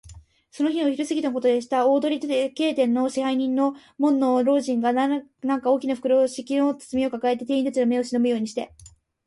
その日のお昼すぎのことでした。大鳥時計店の支配人の門野老人が、何か大きなふろしき包みをかかえて、店員たちの目をしのぶようにして、